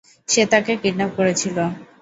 সে তাকে কিডন্যাপ করেছিল।